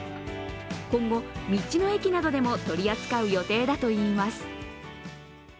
今後、道の駅などでも取り扱う予定だといいます。